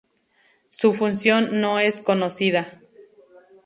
Su función no es conocida.